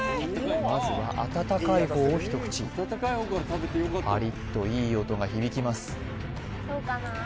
まずは温かい方を一口パリッといい音が響きます